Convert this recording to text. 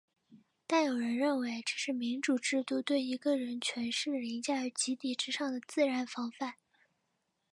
但有人认为这是民主制度对一个人权势凌驾于集体之上的自然防范。